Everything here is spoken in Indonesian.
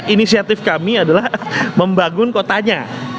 inisiatif kami adalah membangun kotanya